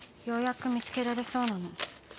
ようやく見つけられそうなの。